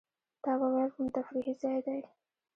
تا به وېل کوم تفریحي ځای دی.